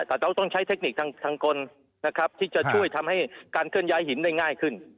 แต่เราต้องใช้เทคนิคทางกลนะครับที่จะช่วยทำให้การเคลื่อนย้ายหินได้ง่ายขึ้น